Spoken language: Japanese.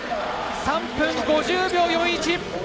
３分５０秒４１。